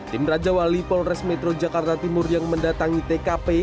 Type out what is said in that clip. tim raja wali polres metro jakarta timur yang mendatangi tkp